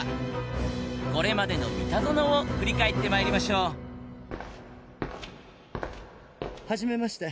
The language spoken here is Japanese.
これまでのミタゾノを振り返って参りましょうはじめまして。